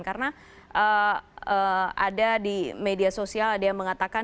karena ada di media sosial ada yang mengatakan